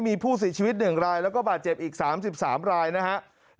มีผู้เสียชีวิต๑รายแล้วก็บาดเจ็บอีก๓๓รายนะครับ